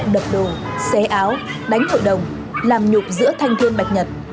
đập đồ xé áo đánh hội đồng làm nhục giữa thanh thương bạch nhật